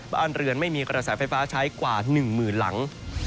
บ้านเรือนไม่มีกระแสไฟฟ้าใช้กว่า๑หมื่นหลัง